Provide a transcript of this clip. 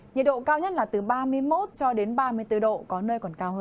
nhiệt độ cao nhất là từ ba mươi một cho đến ba mươi bốn độ có nơi còn cao hơn